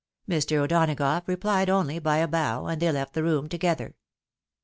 245 Mr. O'Donagougli replied only by a bow, and they left the room together.